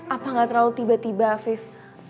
apa nggak terlalu tiba tiba afif